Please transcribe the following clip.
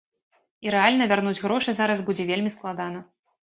І рэальна вярнуць грошы зараз будзе вельмі складана.